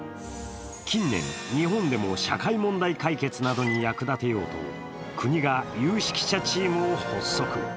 近年、日本でも社会問題解決などに役立てようと国が有識者チームを発足。